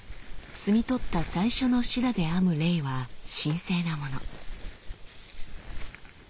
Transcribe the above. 摘み取った最初のシダで編むレイは神聖なもの。